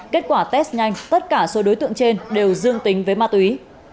kết quả test nhanh tất cả số đối tượng trên đều dương tính với ma túy